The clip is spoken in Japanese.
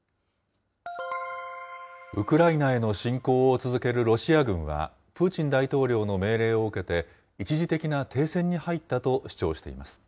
ウクライナへの侵攻を続けるロシア軍は、プーチン大統領の命令を受けて一時的な停戦に入ったと主張しています。